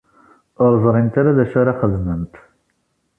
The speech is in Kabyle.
Ur ẓrint ara d acu ara xedment.